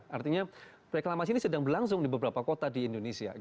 artinya reklamasi ini sedang berlangsung di beberapa kota di indonesia